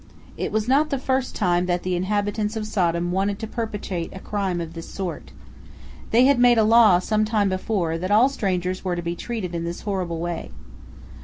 It was not the first time that the inhabitants of Sodom wanted to perpetrate a crime of this sort. They had made a law some time before that all strangers were to be treated in this horrible way.